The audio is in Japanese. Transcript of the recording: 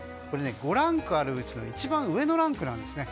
５ランクあるうちの一番上のランクなんですね。